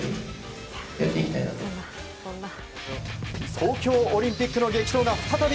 東京オリンピックの激闘が再び。